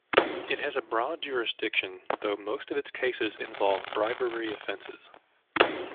It has a broad jurisdiction, though most of its cases involve bribery offences.